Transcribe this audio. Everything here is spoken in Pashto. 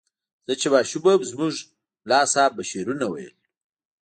زه چې ماشوم وم زموږ ملا صیب به شعرونه ویل.